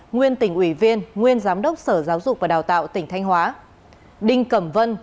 nguyên tỉnh ủy viên nguyên giám đốc sở giáo dục và đào tạo tỉnh thanh hóa đinh cẩm vân